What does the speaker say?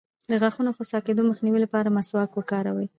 د غاښونو د خوسا کیدو مخنیوي لپاره مسواک وکاروئ